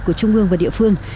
của trung ương và địa phương